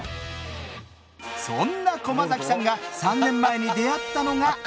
そんな駒崎さんが３年前に出会ったのが。